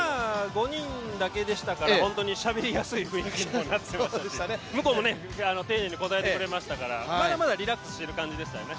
５人だけでしたからしゃべりやすい雰囲気にもなってましたし向こうも丁寧に答えてくれましたから、まだまだリラックスしている感じですかね。